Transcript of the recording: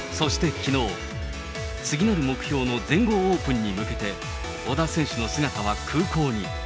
きのう、次なる目標の全豪オープンに向けて、小田選手の姿は空港に。